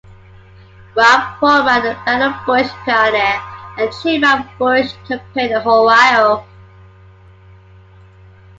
Rob Portman, a fellow Bush Pioneer and chairman of Bush's campaign in Ohio.